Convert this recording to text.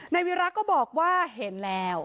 ในวีระก็บอกว่าเห็นแล้ว